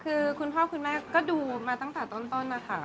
คือคุณพ่อคุณแม่ก็ดูมาตั้งแต่ต้นนะคะ